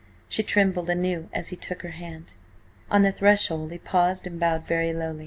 She trembled anew as he took her hand. On the threshold he paused and bowed very low.